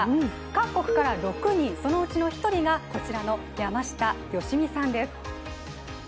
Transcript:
各国から６人、そのうちの１人が、こちらの山下良美さんです。